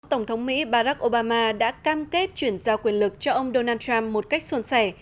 tổng thống mỹ barack obama đã cam kết chuyển giao quyền lực cho ông donald trump một cách xuân sẻ